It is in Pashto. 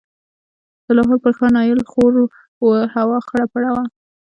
د لاهور پر ښار نایل خور و، هوا خړه پړه وه.